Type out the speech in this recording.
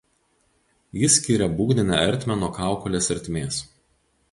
Ji skiria būgninę ertmę nuo kaukolės ertmės.